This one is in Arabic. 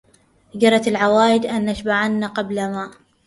جرت العوائد أن نشعبن قبل ما